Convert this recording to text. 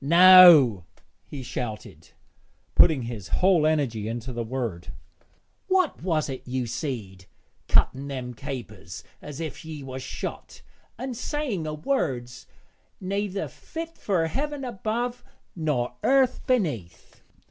'No,' he shouted, putting his whole energy into the word. 'What was't ye seed, cutting them capers as if ye was shot, an' saying o' words neyther fit fur heaven above nor earth beneath?'